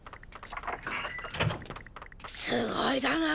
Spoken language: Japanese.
すごいだな。